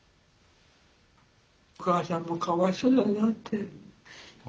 お母さんもかわいそうだなって。